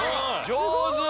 上手！